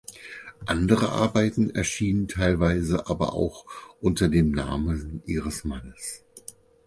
Andere Arbeiten erschienen teilweise aber auch unter dem Namen ihres Mannes.